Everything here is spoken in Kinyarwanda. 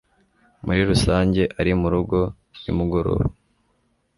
Muri rusange ari murugo nimugoroba.